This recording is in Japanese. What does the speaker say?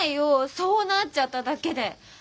そうなっちゃっただけで！